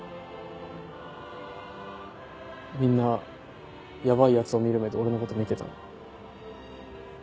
みんなヤバいヤツを見る目で俺のこと見てたの。